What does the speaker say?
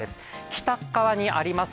北側にあります